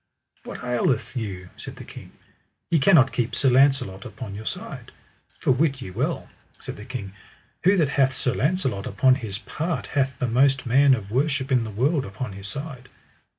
What aileth you, said the king, ye cannot keep Sir Launcelot upon your side? For wit ye well, said the king, who that hath Sir Launcelot upon his part hath the most man of worship in the world upon his side.